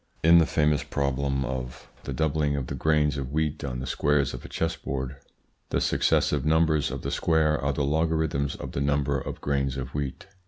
In the famous problem of the doubling of the grains of wheat on the squares of a chessboard, the successive numbers of the square are the logarithms of the number of grains of wheat.